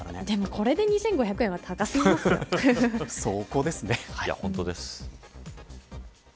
でも、これで２５００円は高すぎますよ。